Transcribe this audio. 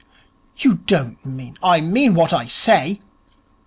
'You don't mean ' 'I mean what I say.'